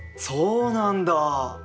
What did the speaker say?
そうなんだ。